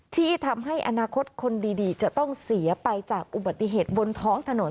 ที่ทำให้อนาคตคนดีจะต้องเสียไปจากอุบัติเหตุบนท้องถนน